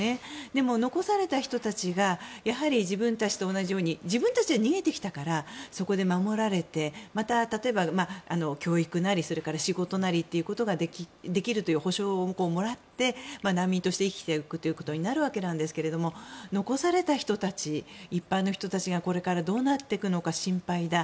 でも残された人たちが自分たちと同じように自分たちは逃げてきたからそこで守られて、例えば教育なり仕事なりというのができるという保証をもらって難民として生きていくことになるわけですが残された人たち、一般の人たちがこれからどうなっていくのか心配だ。